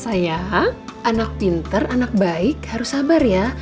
saya anak pinter anak baik harus sabar ya